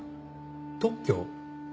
特許？